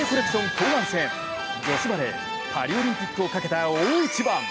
後半戦、女子バレー、パリオリンピックをかけた大一番。